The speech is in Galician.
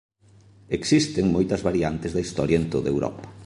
Existen moitas variantes da historia en toda Europa.